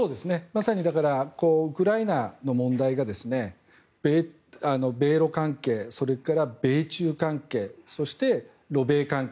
まさにウクライナの問題が米ロ関係、それから米中関係そしてロ米関係